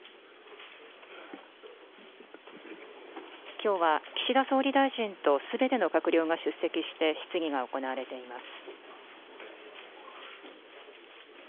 きょうは、岸田総理大臣とすべての閣僚が出席して質疑が行われています。